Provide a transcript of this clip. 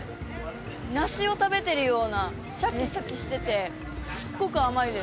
梨を食べてるようなシャキシャキしててすごく甘いです